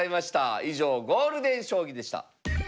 以上ゴールデン将棋でした。